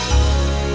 biarkan saja aku